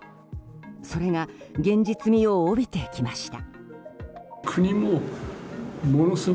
それが現実味を帯びてきました。